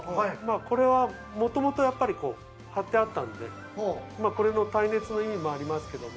これは、もともと貼ってあったんで、これの耐熱の意味もありますけども。